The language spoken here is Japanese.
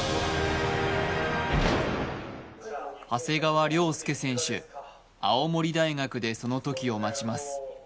長谷川稜佑選手、青森大学でその時を待ちます。